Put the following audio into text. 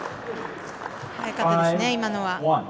速かったですね、今の。